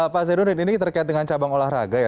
pak zainuddin ini terkait dengan cabang olahraga ya